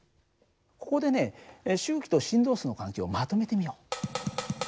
ここでね周期と振動数の関係をまとめてみよう。